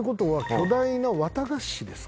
巨大な綿菓子ですか？